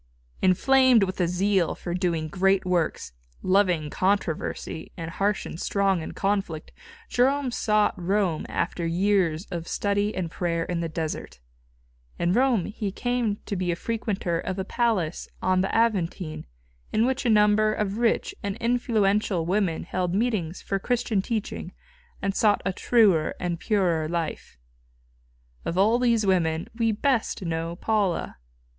Inflamed with a zeal for doing great works, loving controversy and harsh and strong in conflict, Jerome sought Rome after years of study and prayer in the desert. In Rome he came to be a frequenter of a palace on the Aventine in which a number of rich and influential women held meetings for Christian teaching and sought a truer and purer life. Of all these women we best know Paula.